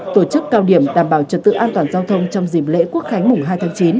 tổ chức cao điểm đảm bảo trật tự an toàn giao thông trong dịp lễ quốc khánh mùng hai tháng chín